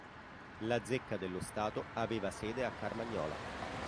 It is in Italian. La zecca dello Stato aveva sede a Carmagnola.